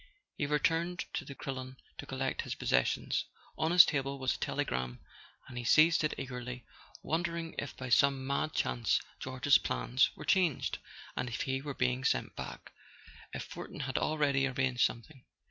He returned to the Crillon to collect his possessions. On his table was a telegram, and he seized it eagerly, wondering if by some mad chance George's plans were changed, if he were being sent back, if Fortin had al¬ ready arranged something.